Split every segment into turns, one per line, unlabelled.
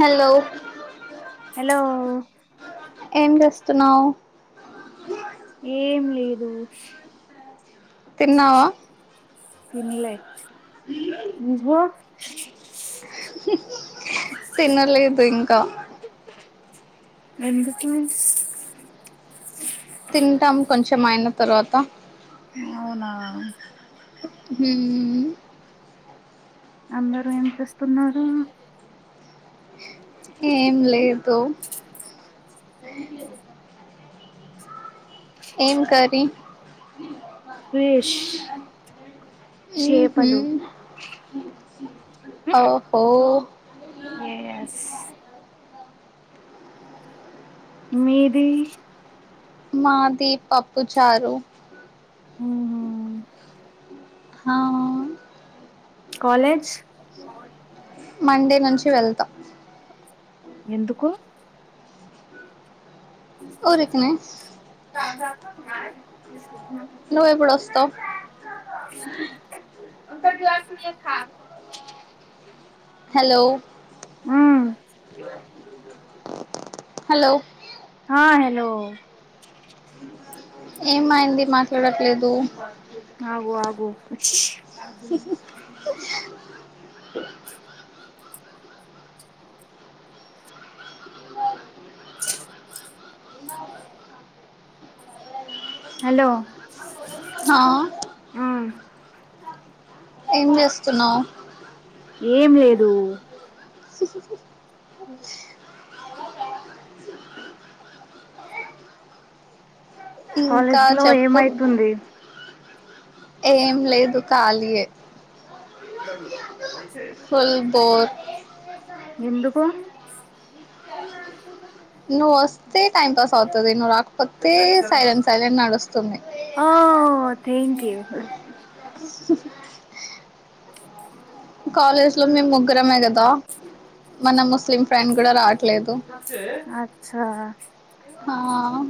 Hello
hello
ఏంచేస్తున్నావ్
ఏం లేదు
తిన్నావా
తిన్లే నువ్వు
తినలేదు ఇంకా
ఎందుకు
తింటాం కొంచెం అయిన తర్వాత
అవునా
హు
అందరు ఏం చేస్తున్నారు
ఏం లేదు ఏం కర్రీ
ఫిష్
ఉహు
చేపలు
ఓహో
ఏ ఎస్ మీది
మాది పప్పు చారు
హు ఉ
హ
కాలేజ్
మండే నుంచి వెళ్తా
ఎందుకు
ఊరికేనే నువ్ ఎప్పుడొస్తావ్ హలో
ఆ
హలో
ఆ హలో
ఏమైంది మాట్లాడట్లేదు
అగు ఆగు హలో
హా
ఆ
ఏం చేస్తున్నావ్
ఏం లేదు
ఇంకా
కాలేజ్ లో
చెప్పు
ఏమైతుంది
ఏం లేదు ఖాలియే ఫుల్ బోర్
ఎందుకు
నువ్వు వస్తే టైం పాస్ అవుతుది నువ్వు రాకపోతే సైలెంట్ సైలెంట్ నడుస్తుంది
ఓహ్ ది
కాలేజ్ లో మేము ముగ్గురంమే కదా మన ముస్లిం ఫ్రెండ్ కూడా రావట్లేదు
అచ్చా
ఆ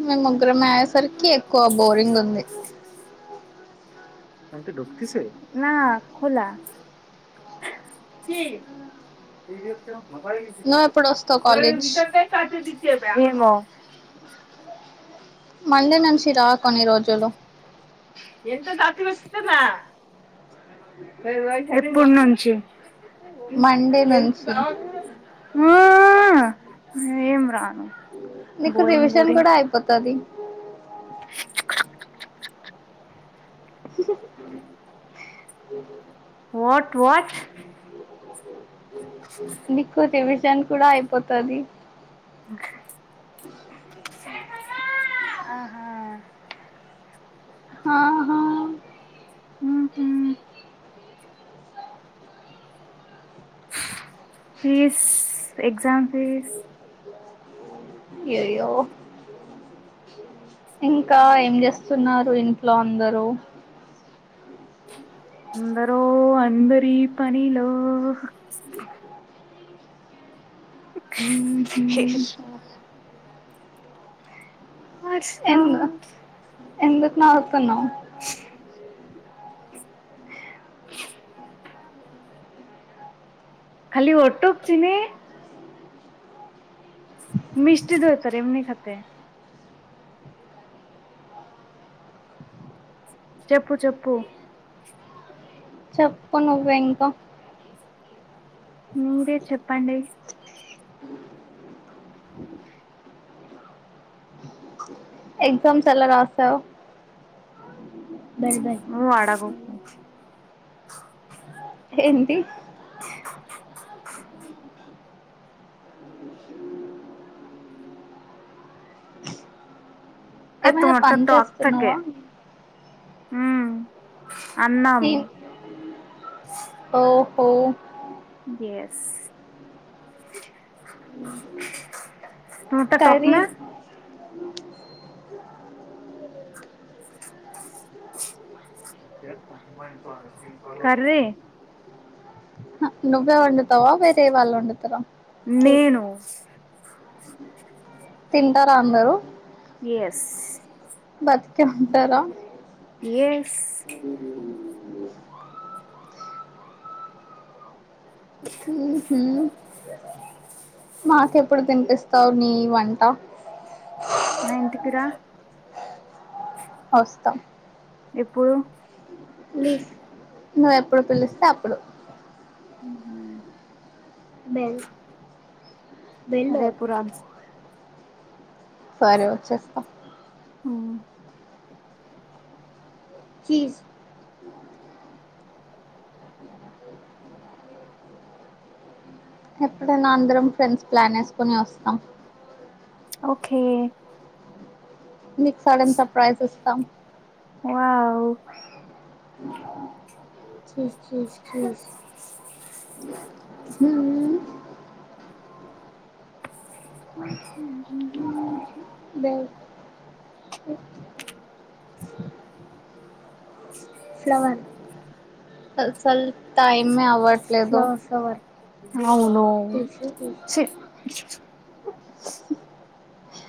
మేము ముగ్గురం అయేసరికి ఎక్కువ బోరింగ్ ఉంది
ఇదంతా డొక్కు పిసే నా కుల
నువ్వు ఎప్పుడు
[unintelligible]
వస్తావు కాలేజ్
ఏమో
మండే నుంచి రా కొన్ని రోజులు
ఎంత సాఫ్టగా వస్తదా ఎపుడూంచి
మండే నుంచి
ఓహ్ ఏం రాను
నీకు
బోరింగ్
రివిజన్
బోరింగ్
కూడా అయిపోతది
వాట్ వాట్
నికు రివిజన్ కూడా అయిపోతది
ఆహా
ఆహా
ఉమ్ ఫీస్ ఎగజామ్ ఫీస్
అయయ్యో ఇంకా ఏం చేస్తున్నారు ఇంట్లో అందరూ
అందరు అందరి పనీలో
ఉహు
వస్తా
ఎందు ఎందుకు నవుతున్నావు
కాళీ [unintelligible] [unintelligible] చెప్పు చెప్పు
చెప్పు నువ్వ ఇంకా
మిరే చెప్పండి
ఎగజామ్స్ ఎలా రాసావు బై బై
నువ్వు అడుగుకు
ఏంటి
అది
ఏమైనా పని
తోటతో అత్తకే
చేస్తున్నావా
ఉమ్ అన్నం
ఎం ఓహో
ఎస్ నూట
కర్రీ
తోప్న్ కర్రీ
హ నువ్వే వండుతావా వేరే వాళ్ళు వండుతరా
నేను
తింటరా అందరూ
ఎస్.
బతికే ఉంటరా
ఎస్
ఉంహు మాకెప్పుడు తినిపిస్తావు నీ వంట
నా ఇంటికి రా
వస్తా
ఎప్పుడు
లీఫ్ ను ఎప్పుడు పిలిస్తే అప్పుడు
మ్
బెల్
రేపు రామ్
సరే వచ్చేస్తా.
ఆ
చీజ్ ఎప్పుడైన అందరం ఫ్రెండ్స్ ప్లాన్ ఏస్కొని వస్తాం.
ఓకే.
నీక్ సడన్ సప్రైజ్ ఇస్తాం.
వా
చూస్ చూస్ చూస్ మ్ దేవ్ ఫ్లవర్ ప్లవర్
అవును చి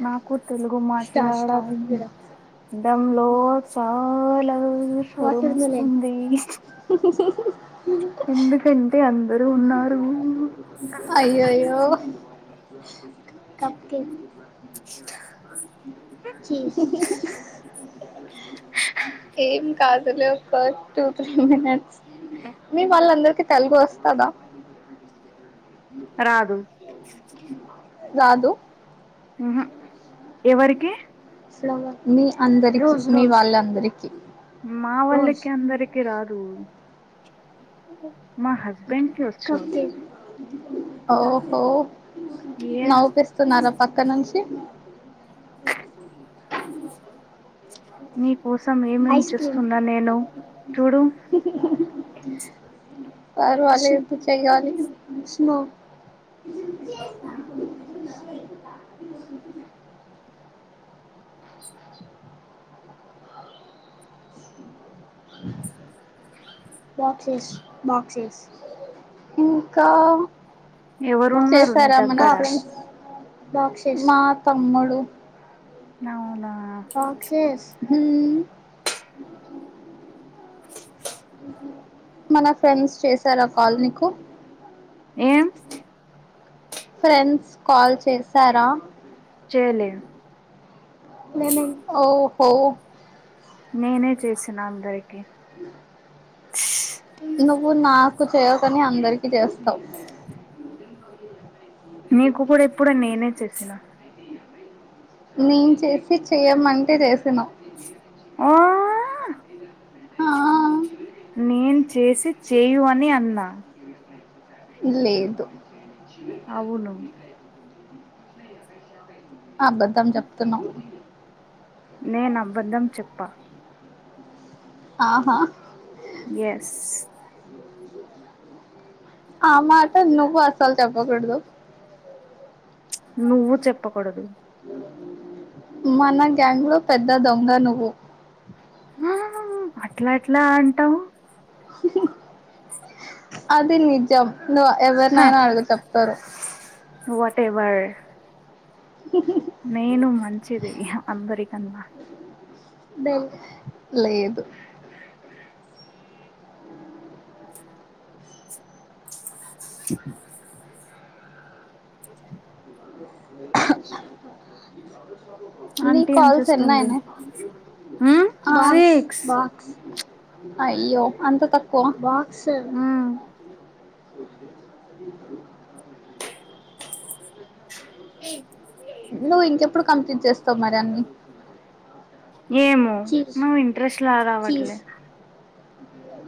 నాకు తెలుగు మాట్లాడ [unintelligible] డంలో చాలా షరమొస్తుంది. అందరూ ఉన్నారు
అయ్యయ్యో. కప్ కేక్ ఏం కాదులే ఒక టూ త్రీ మినిట్స్ మీ వాళ్ళందర్కి తెలుగు వస్తదా?
రాదు.
రాదు.
మ్ హ్ ఎవరికి?
మీ అందరి రోజు మీ వాళ్ళందరికీ
మా వాళ్ళకి అందరికి రాదు. మా హస్బెండ్కి ఒచ్చు.
ఓహో
ఏ
నవ్పిస్తున్నారా పక్క నుంచ్ చి
మీ కోసం ఏమేం చుస్తున్న నేను చూడు
పరువలేదు చేయాలి. ఇంకా
ఎవరున్నారు నీ
చేసారా మన
దగ్గర
ఫ్రెండ్స్. మా తమ్ముడు
నవ్నా
రాక్షేస్ మన ఫ్రెండ్స్ చేసారా కాల్ నీకు
ఏమ్
ఫ్రెండ్స్ కాల్ చేసారా
చెలేద్
ఓహో
నేనే చేసిన అందరికి.
నువ్వు నాకు చేయవ్ కని అందరికి చేస్తావ్
నీకు కూడా ఇప్పుడు నేనే చేసిన
నేన్ చేసి చెయ్యమంటే చేసినవ్
ఆ
ఆ
నేను చేసి చేయు అని అన్నా
లేదు
అవును
అబద్ధం చెప్తున్నవ్
నేన్ అబంద్ధం చెప్ప
ఆహా
ఎస్
అ మాట నువు అసలు చెప్పకూడుదు
నువ్వు చెప్పకూడదు
మన గ్యాంగ్ లో పెద్ద దొంగ నువ్వు
అట్ల ఎట్ల అంటవు
అది నిజం ను ఎవరినైనా అడుగు చెప్తరు
ను వట్టే వర్ నేను మంచిది అందరికన్నా
లేదు నీ
ఆంటీ ఏం
కాల్స్
చేస్తుంది
ఎన్నాయినయి
ఉమ్,
అ
సిక్స్
అయ్యో అంత తక్కువ
ఉమ్,
నువ్వు ఇంకెప్పుడు కంప్లీట్ చేస్తవు మరి అన్నీ
ఏమో మావ్ ఇంట్రెస్ట్ లాగ రావట్లే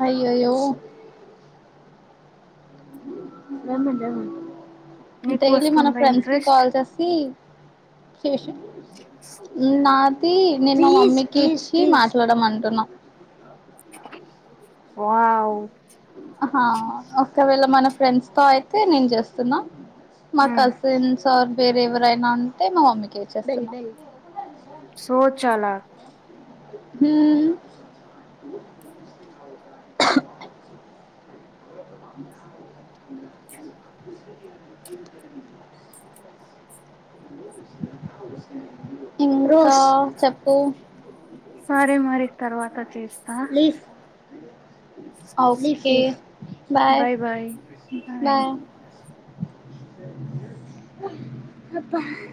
అయ్యయ్యో
నీకు
డైలీ మన
వస్తుందా
ఫ్రెండ్స్ కి
ఇంట్రెస్ట్
కాల్ చేసి నా నేను మా మమ్మీకి ఇచ్చి మాట్లాడమంటున్నా
వావ్
అహ ఒకవేళ మన ఫ్రెండ్స్తో అయితే నేను చేస్తున్నా మా
ఉమ్,
కజిన్స్ సార్ వేరె ఎవరైనా ఉంటే మా మమ్మీకి ఇచ్చేస్తున
సో చాల
ఉమ్ ఇంగ్రోస్ చెప్పు
సరే మరి తర్వాత చేస్తా
అ ఒకే బాయ్
బాయ్
అబ్బ